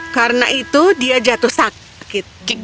karena itu dia jatuh sakit